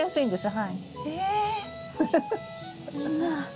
はい。